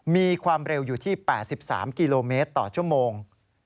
มีความเร็วอยู่ที่๘๓กิโลเมตรต่อชั่วโมง